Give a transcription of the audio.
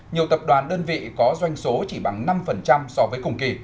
nhiều tập đoàn đơn vị có doanh số chỉ bằng năm so với cùng kỳ